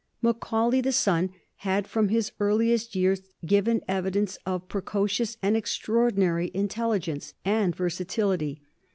Macaulay the son had, from his earliest years, given evidence of precocious and extraordinary intelligence and versatility.